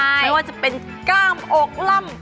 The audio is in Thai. ไม่ว่าจะเป็นก้ามอกล่ำ